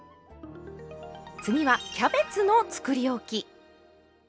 次はキャベツのつくりおき。